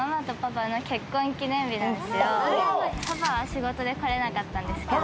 パパは仕事で来れなかったんですけど。